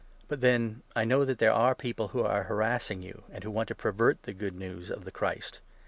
But then, I know that there are people who are harassing you, and who want to pervert the Good News of the Christ.